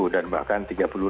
dan bahkan tiga puluh